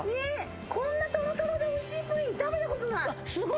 こんなトロトロでおいしいプリン食べたことない。